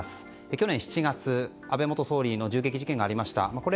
去年７月に安倍元総理の銃撃事件がありました。